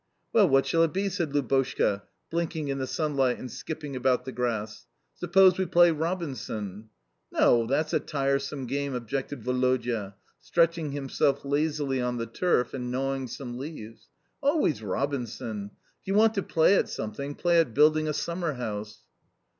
"Well, what shall it be?" said Lubotshka, blinking in the sunlight and skipping about the grass, "Suppose we play Robinson?" "No, that's a tiresome game," objected Woloda, stretching himself lazily on the turf and gnawing some leaves, "Always Robinson! If you want to play at something, play at building a summerhouse."